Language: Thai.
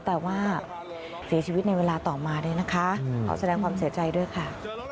แต่ว่าเสียชีวิตในเวลาต่อมาเลยนะคะขอแสดงความเสียใจด้วยค่ะ